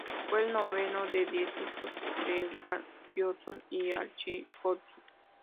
Fue el noveno de diez hijos de Edna Johnson y Archie Johnson.